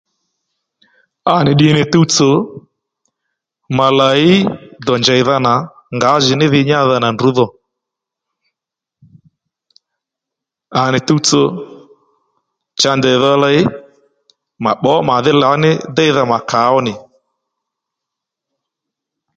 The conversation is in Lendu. À nì ddì nì tuwtsò mà làyi dò njèydha nà ngǎjìní dhi nyádha nà ndrǔ dho à nì tuwtsò cha ndèy dho ley mà pbǒ màdhí lǎní déydha mà kàó nì